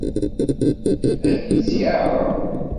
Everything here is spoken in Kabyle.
Ad iyi-tt-yeɛṛeḍ?